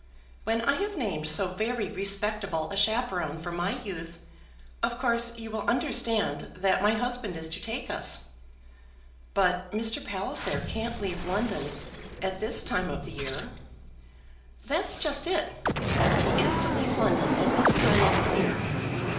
When I have named so very respectable a chaperon for my youth, of course you will understand that my husband is to take us." "But Mr. Palliser can't leave London at this time of the year?" "That's just it. He is to leave London at this time of the year.